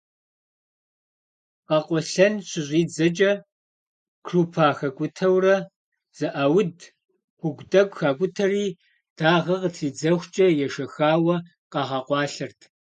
Къэкъуэлъэн щыщӏидзэкӏэ крупа хакӏутэурэ зэӏауд, хугу тӏэкӏу хакӏутэри дагъэ къытридзэхукӏэ ешэхауэ къагъэкъуалъэрт.